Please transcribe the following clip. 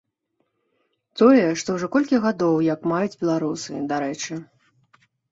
Тое, што ўжо колькі гадоў як маюць беларусы, дарэчы.